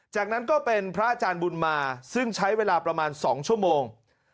จากนั้นก็เป็นพระอาจารย์บุญมาซึ่งใช้เวลาประมาณ๒ชั่วโมง